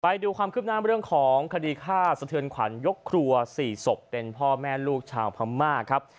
ไปดูความคืบหน้าเรื่องของคดีฆ่าสะเทือนขวัญยกครัว๔ศพเป็นพ่อแม่ลูกชาวพม่าครับ